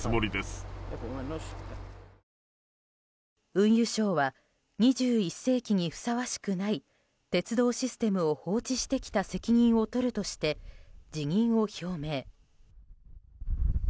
運輸相は、２１世紀にふさわしくない鉄道システムを放置してきた責任を取るとして辞任を表明。